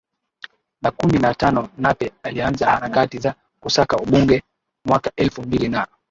na kumi na tanoNape alianza harakati za kusaka ubunge mwaka elfu mbili na